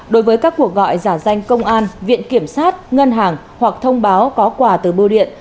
đối với các cuộc gọi giả danh công an viện kiểm sát ngân hàng hoặc thông báo có quà từ bưu điện